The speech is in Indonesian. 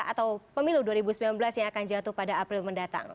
atau pemilu dua ribu sembilan belas yang akan jatuh pada april mendatang